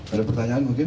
ada pertanyaan mungkin